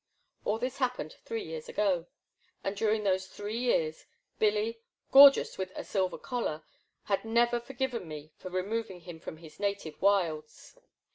All this happened three years ago, and during those three years, Billy, gorgeous with a silver collar, had never forgiven me for remov ing him from his native wilds.